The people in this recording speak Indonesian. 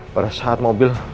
pada saat mobil